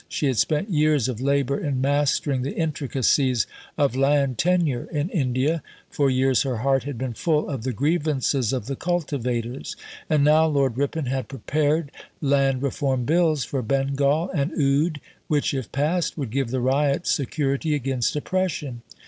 She had spent years of labour in mastering the intricacies of land tenure in India. For years her heart had been full of the grievances of the cultivators. And now Lord Ripon had prepared Land Reform Bills for Bengal and Oudh which, if passed, would give the ryot security against oppression.